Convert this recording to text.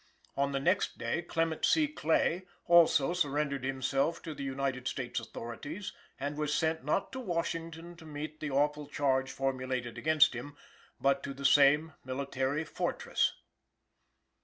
On the next day Clement C. Clay, also, surrendered himself to the United States authorities, and was sent, not to Washington to meet the awful charge formulated against him, but to the same military fortress.